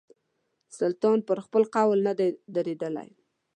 سلطان پر خپل قول نه دی درېدلی.